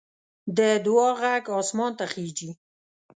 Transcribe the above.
د دعا غږ اسمان ته خېژي